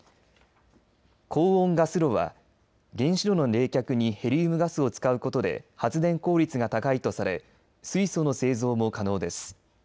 高温ガス炉は原子炉の冷却にヘリウムガスを使うことで発電効率が高いとされ水素の製造も可能です。